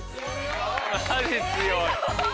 マジ強い！